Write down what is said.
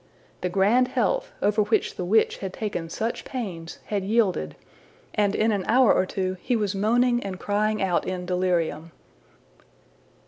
The grand health, over which the witch had taken such pains, had yielded, and in an hour or two he was moaning and crying out in delirium.